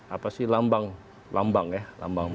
apa sih lambang ya